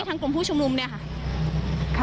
คุณภาคภูมิพยายามอยู่ในจุดที่ปลอดภัยด้วยนะคะ